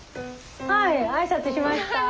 はい挨拶しました。